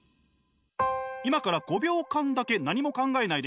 今から５秒間だけ何も考えない練習です。